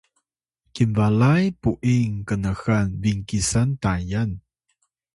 kinbalay pu’ing knxan binkisan Tayan